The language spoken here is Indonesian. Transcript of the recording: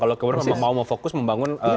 kalau kemudian memang mau fokus membangun